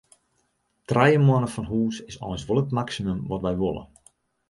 Trije moanne fan hûs is eins wol it maksimum wat wy wolle.